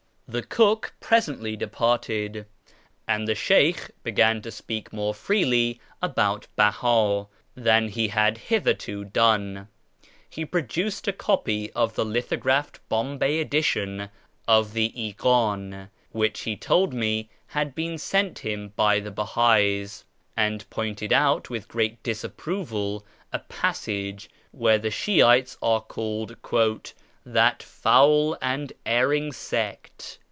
The cook presently departed, and the Sheykh began to speak more freely about Beha than he had hitherto done. He produced a copy of the lithographed Bombay edition of the Ikdn, which he told me had been sent him by the Beha'is, and j)ointed out with great disapproval a passage where the Shf ites are called " that foul and erring sect."